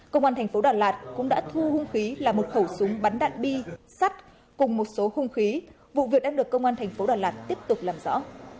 công an thành phố đà lạt cũng đã thu hung khí là một khẩu súng bắn đạn bi sắt cùng một số hung khí vụ việc đang được công an thành phố đà lạt tiếp tục làm rõ